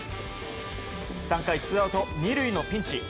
３回ツーアウト２塁のピンチ。